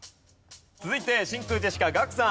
続いて真空ジェシカガクさん。